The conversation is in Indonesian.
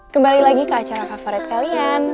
kembali lagi ke acara favorit kalian